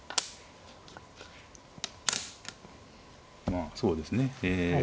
まあそうですねえ